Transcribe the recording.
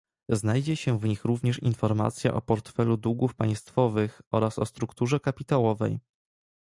Znajdzie się w nich również informacja o portfelu długów państwowych oraz o strukturze kapitałowej